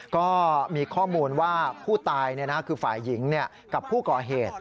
ก็มีข้อมูลว่าผู้ตายคือฝ่ายหญิงกับผู้ก่อเหตุ